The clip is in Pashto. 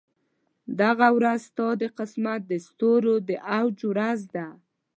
دغه ورځ ستا د قسمت د ستورو د عروج ورځ ده.